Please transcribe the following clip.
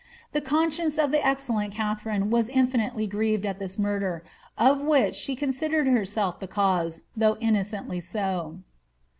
The conscience of the excellent Katharine was infinitely grieved at this murder, of which she considered herself the cause, though innocently so.